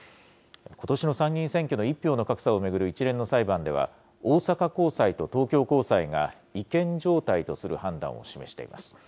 ことしの参議院選挙の１票の格差を巡る一連の裁判では、大阪高裁と東京高裁が違憲状態とする判断を示しています。